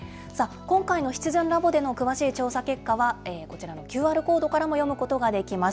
今回のシチズンラボでの詳しい調査結果は、こちらのＱＲコードからも読むことができます。